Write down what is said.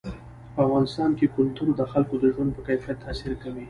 په افغانستان کې کلتور د خلکو د ژوند په کیفیت تاثیر کوي.